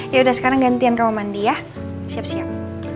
ya udah sekarang gantian kamu mandi ya siap siap